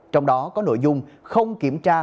trong đó có nội dung không kiểm tra